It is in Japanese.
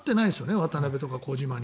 渡邉とか小島に。